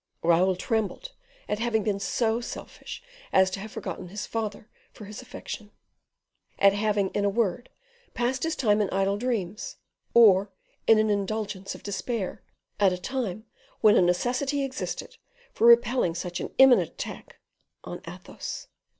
Raoul trembled at having been so selfish as to have forgotten his father for his affection; at having, in a word, passed his time in idle dreams, or in an indulgence of despair, at a time when a necessity existed for repelling such an imminent attack on Athos.